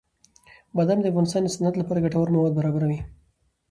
بادام د افغانستان د صنعت لپاره ګټور مواد برابروي.